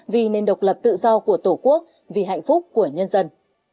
vì nền độc lập tự do của tổ quốc vì hạnh phúc của nhân dân